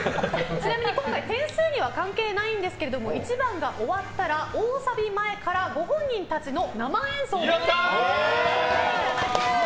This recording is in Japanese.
ちなみに今回点数には関係ないんですけども１番が終わったら、大サビ前からご本人たちの生演奏で歌っていただきます。